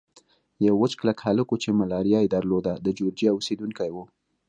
یو وچ کلک هلک وو چې ملاریا یې درلوده، د جورجیا اوسېدونکی و.